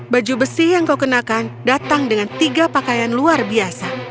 baju besi yang kau kenakan datang dengan tiga pakaian luar biasa